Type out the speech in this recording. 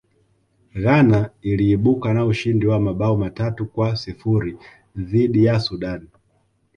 ghana iliibuka na ushindi wa mabao matatu kwa sifuri dhidi ya sudan